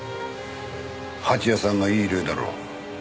蜂矢さんがいい例だろう。